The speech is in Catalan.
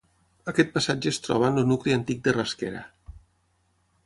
Aquest passatge es troba en el nucli antic de Rasquera.